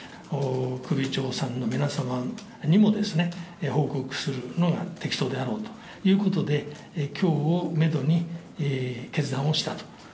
首長さんの皆さんにも、報告するのが適当であろうということで、きょうをメドに決断をしたと。